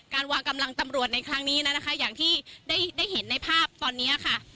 วางกำลังตำรวจในครั้งนี้นะคะอย่างที่ได้เห็นในภาพตอนนี้ค่ะ